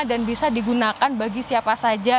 dan bisa digunakan bagi siapa saja